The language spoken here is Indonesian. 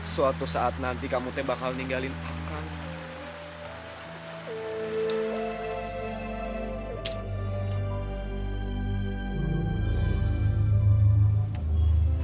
suatu saat nanti kamu akan meninggalkanku